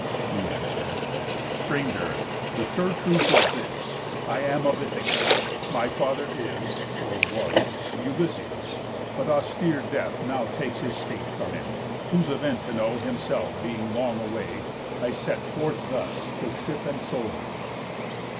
He answer'd: "Stranger! The sure truth is this: I am of Ithaca; my father is (Or was) Ulysses, but austere death now Takes his state from him; whose event to know Himself being long away, I set forth thus With ship and soldiers."